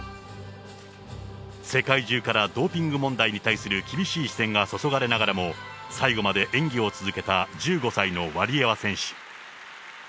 世界中からドーピング問題に対する厳しい視線が注がれながらも、最後まで演技を続けた１５歳のワリエワ選手。